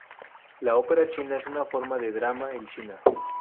La ópera china es una forma de drama en China.